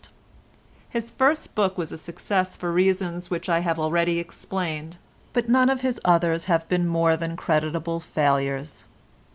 His first book was a success for reasons which I have already explained, but none of his others have been more than creditable failures.